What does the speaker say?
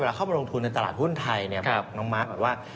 เวลาเข้ามาลงทุนในตลาดหุ้นไทยเนี่ยน้องมาร์ทบอกว่า